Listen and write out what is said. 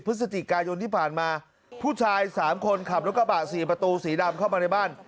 พฤศจิกายนที่ผ่านมาผู้ชายสามคนขับรถกระบะสี่ประตูสีดำเข้ามาในบ้าน